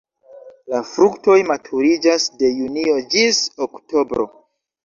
La fruktoj maturiĝas de junio ĝis oktobro.